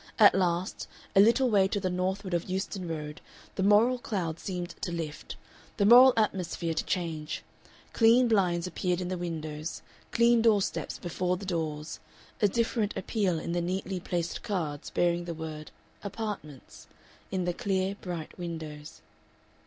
At last, a little way to the northward of Euston Road, the moral cloud seemed to lift, the moral atmosphere to change; clean blinds appeared in the windows, clean doorsteps before the doors, a different appeal in the neatly placed cards bearing the word | APARTMENTS | in the clear bright windows.